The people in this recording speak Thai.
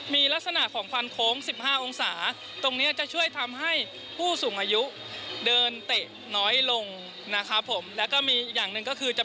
มีลักษณะการเปลี่ยนพานโค้ง๑๕องศาไว้จึงกับเดินเตะปีล่อยการรักษา